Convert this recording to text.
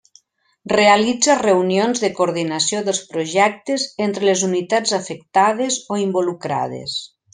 Realitza reunions de coordinació dels projectes entre les unitats afectades o involucrades.